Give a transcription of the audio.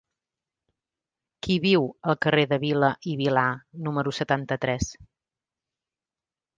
Qui viu al carrer de Vila i Vilà número setanta-tres?